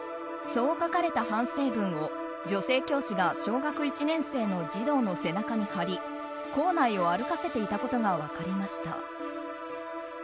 そう書かれた反省文を女性教師が小学１年生の児童の背中に貼り校内を歩かせていたことが分かりました。